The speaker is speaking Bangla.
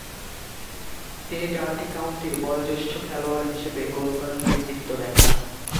তিনি ডার্বি কাউন্টির বয়োজ্যেষ্ঠ খেলোয়াড় হিসেবে গোল করার কৃতিত্ব দেখান।